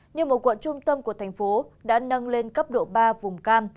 như một quận trung tâm của thành phố đã nâng lên cấp độ ba vùng cam